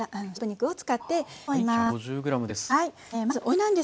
１５０ｇです。